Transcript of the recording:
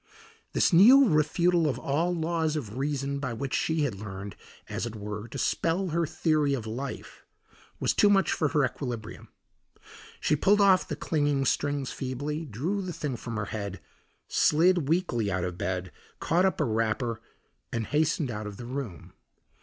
This new refutal of all laws of reason by which she had learned, as it were, to spell her theory of life, was too much for her equilibrium. She pulled off the clinging strings feebly, drew the thing from her head, slid weakly out of bed, caught up her wrapper and hastened out of the room.